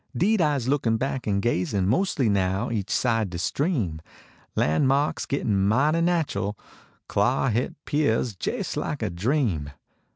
Deed Ise lookin back en ga/.in Mos ly now each side de stream. Lan marks gittin mighty natch l. Clar hit pears jais like a dream.